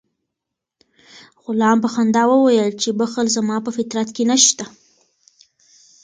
غلام په خندا وویل چې بخل زما په فطرت کې نشته.